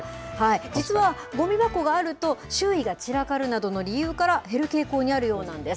実は、ゴミ箱があると、周囲が散らかるなどの理由から、減る傾向にあるようなんです。